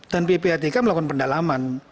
dan ppatk melakukan pendalaman